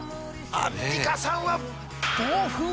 アンミカさんは。